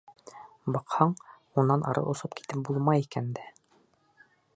Баҡһаң, унан ары осоп китеп булмай икән дә.